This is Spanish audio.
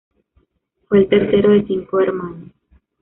Fue el tercero de cinco hermanos.